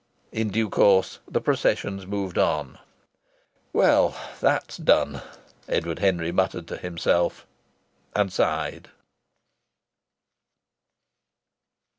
In due course the processions moved on. "Well, that's done!" Edward Henry muttered to himself. And sighed.